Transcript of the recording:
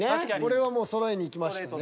これはもうそろえにいきましたね。